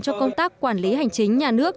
cho công tác quản lý hành chính nhà nước